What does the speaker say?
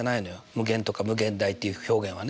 無限とか無限大っていう表現はね。